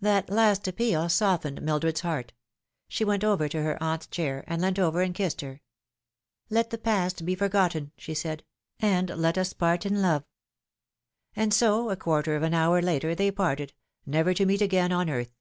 That last appeal softened Mildred's heart. She went over to her aunt's chair, and leant over her and kissed her. " Let the past be forgotten," she said, " and let us part in love." And so, a quarter of an hour later, they parted, never to meet again on earth.